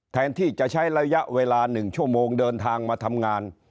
แทนที่จะใช้ระยะเวลา๑ชั่วโมงเดินทางมาทำงาน